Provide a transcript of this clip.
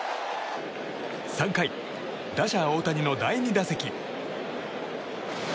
３回、打者・大谷の第２打席。